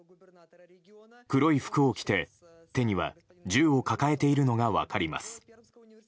黒い服を着て手には、銃を抱えているのが分かります。